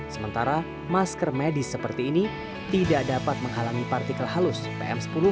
sementara masker medis seperti ini tidak dapat menghalangi partikel halus pm sepuluh